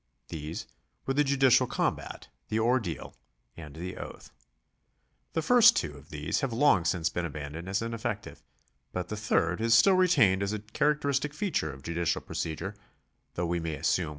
These were the judicial combat, the ordeal, and the oath. The first two of these have long since been abandoned as ineffective, but the third is still retained as a characteristic feature of judicial procedure, 1 See Bentham, Works, VII.